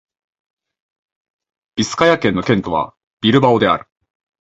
ビスカヤ県の県都はビルバオである